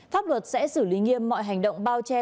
pháp luật sẽ xử lý nghiêm mọi hành động bao che